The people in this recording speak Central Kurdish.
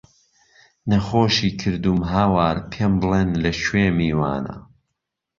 نهخۆشی کردووم هاوار پێم بڵێن له کوێ میوانه